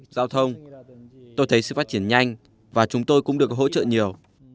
giao thông tôi thấy sự phát triển nhanh và chúng tôi cũng được hỗ trợ nhiều